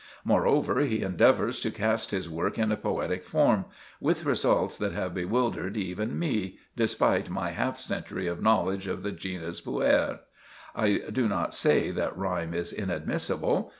Moreover, he endeavours to cast his work in a poetic form—with results that have bewildered even me, despite my half century of knowledge of the genus puer. I do not say that rhyme is inadmissible.